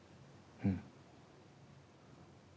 うん。